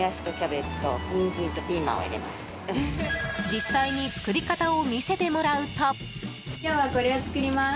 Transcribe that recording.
実際に作り方を見せてもらうと。